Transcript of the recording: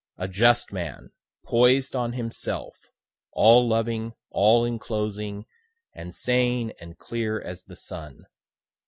A just man, poised on himself, all loving, all inclosing, and sane and clear as the sun.